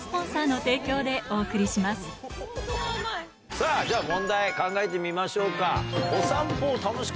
さぁじゃあ問題考えてみましょうか。